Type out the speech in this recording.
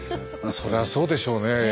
それはそうでしょうねえ。